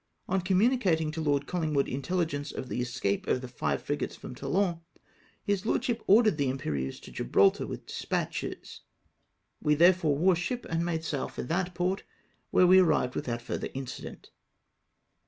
On communicating to Lord CoUingwood inteUigence of the escape of the five frigates from Toulon, his lordship ordered the Impe rieuse to Gibraltar with despatches. We therefore wore sliip and made sail for that port, where we arrived without further incident.